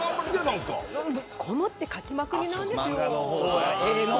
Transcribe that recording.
こもって描きまくりなんです。